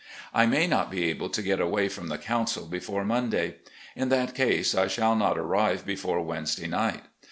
I may not be able to get away from the council before Monday. In that case, I shall not arrive before Wednesday night.